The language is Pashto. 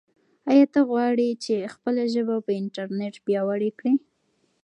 آیا ته غواړې چې خپله ژبه په انټرنیټ کې پیاوړې کړې؟